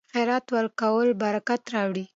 خیرات ورکول برکت راوړي.